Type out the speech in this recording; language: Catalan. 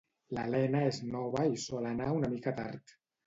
L'Elena és nova i sol anar una mica tard